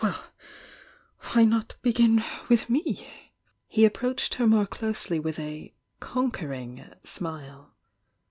— well, why not begin with me?" He approached her more closely wiOi a "conquer ing" smile.